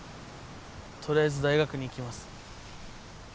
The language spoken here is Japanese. とりあえず大学に行きます。